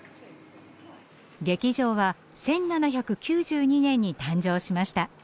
劇場は１７９２年に誕生しました。